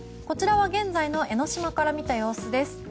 こちらは現在の江の島から見た様子です。